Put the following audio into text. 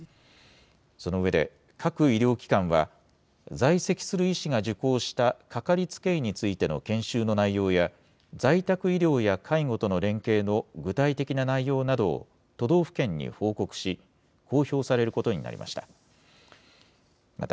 その上で、各医療機関は、在籍する医師が受講したかかりつけ医についての研修の内容や、在宅医療や介護との連携の具体的な内容などを都道府県に報告し、公表されることになりました。